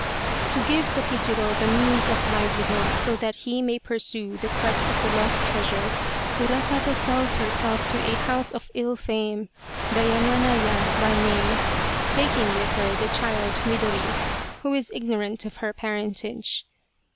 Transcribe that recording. To give Tokijiro the means of livelihood so that he may pursue the quest of the lost treasure, Urasato sells herself to a house of ill fame, the Yamana Ya by name, taking with her the child Midori, who is ignorant of her parentage.